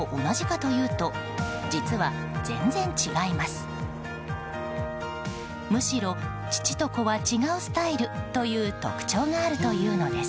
むしろ父と子は違うスタイルという特徴があるというのです。